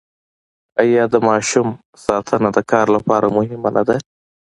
آیا د ماشوم ساتنه د کار لپاره مهمه نه ده؟